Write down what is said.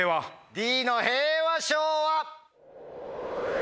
Ｄの平和賞は？